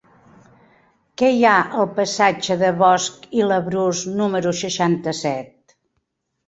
Què hi ha al passatge de Bosch i Labrús número seixanta-set?